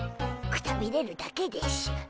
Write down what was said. くたびれるだけでしゅ。